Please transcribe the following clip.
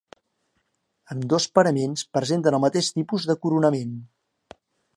Ambdós paraments presenten el mateix tipus de coronament.